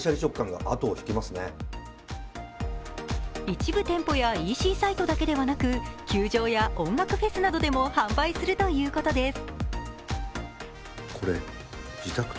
一部店舗やＥＣサイトだけではなく、球場や音楽フェスなどでも販売するということです。